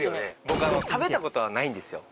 僕食べたことはないんですよ